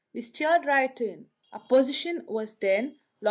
We steered right in. Our position was then long.